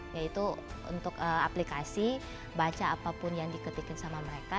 yaitu untuk aplikasi baca apapun yang diketikin sama mereka